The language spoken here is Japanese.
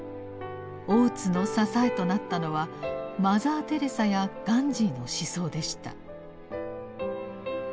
大津の支えとなったのはマザー・テレサやガンジーの思想でした。